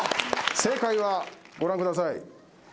正解はご覧ください